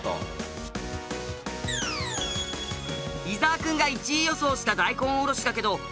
伊沢くんが１位予想した大根おろしだけど。